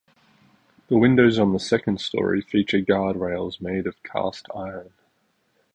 The windows on the second story feature guard rails made of cast iron.